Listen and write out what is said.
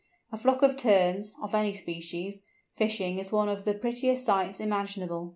A flock of Terns (of any species) fishing is one of the prettiest sights imaginable.